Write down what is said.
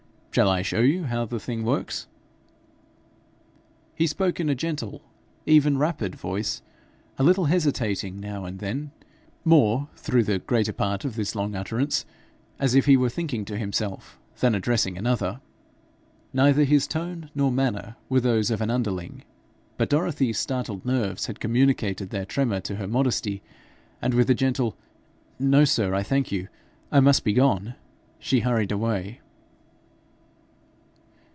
Shall I show you how the thing works?' He spoke in a gentle, even rapid voice, a little hesitating now and then, more, through the greater part of this long utterance, as if he were thinking to himself than addressing another. Neither his tone nor manner were those of an underling, but Dorothy's startled nerves had communicated their tremor to her modesty, and with a gentle 'No, sir, I thank you; I must be gone,' she hurried away.